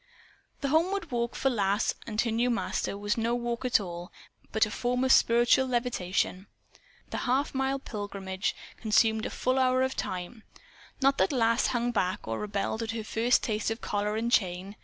The homeward walk, for Lass and her new master, was no walk at all, but a form of spiritual levitation. The half mile pilgrimage consumed a full hour of time. Not that Lass hung back or rebelled at her first taste of collar and chain!